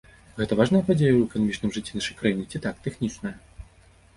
Гэта важная падзея ў эканамічным жыцці нашай краіны, ці так, тэхнічная?